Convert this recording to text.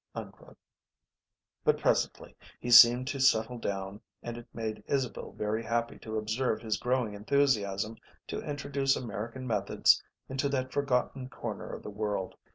"_ But presently he seemed to settle down and it made Isabel very happy to observe his growing enthusiasm to introduce American methods into that forgotten corner of the world.